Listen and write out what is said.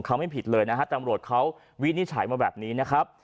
เขาไม่ผิดเลยนะฮะตำรวจเขาวินิจฉัยมาแบบนี้นะครับ